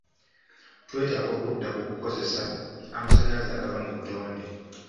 Twetaaga okudda ku kukozesa amasannyalaze agava mu butonde.